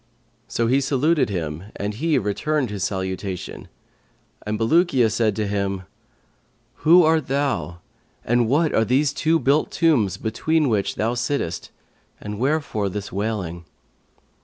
So he saluted him and he returned his salutation, and Bulukiya said to him, 'Who art thou and what are these two built tombs between which thou sittest, and wherefore this wailing?'